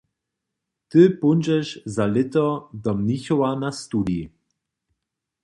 Ty póńdźeš za lěto do Mnichowa na studij.